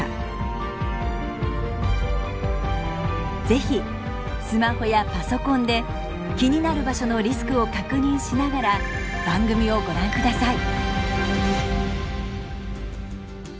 是非スマホやパソコンで気になる場所のリスクを確認しながら番組をご覧ください。